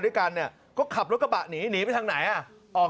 ด้วยกันเนี่ยก็ขับรถกระบะหนีหนีไปทางไหนอ่ะออก